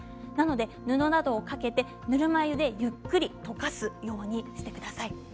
布などをかけてぬるま湯でゆっくり溶かすようにしてください。